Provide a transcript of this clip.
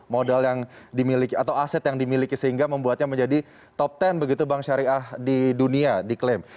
modal yang dimiliki atau aset yang dimiliki sehingga membuatnya menjadi top sepuluh begitu bank syariah di dunia diklaim